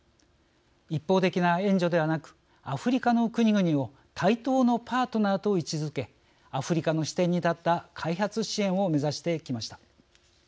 一方的な援助ではなくアフリカの国々を対等のパートナーと位置づけアフリカの視点に立った開発支援を目指してきました。